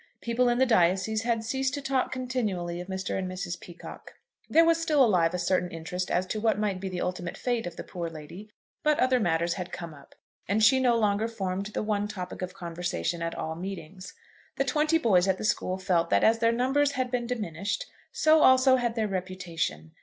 People in the diocese had ceased to talk continually of Mr. and Mrs. Peacocke. There was still alive a certain interest as to what might be the ultimate fate of the poor lady; but other matters had come up, and she no longer formed the one topic of conversation at all meetings. The twenty boys at the school felt that, as their numbers had been diminished, so also had their reputation.